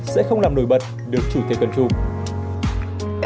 sẽ không làm nổi bật được chủ thể cần chủ